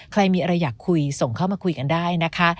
ใครมีอะไรอยากคุยส่งเข้ามาคุยกันได้นะคะ